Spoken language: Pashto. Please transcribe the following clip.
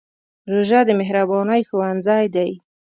روژه د مهربانۍ ښوونځی دی.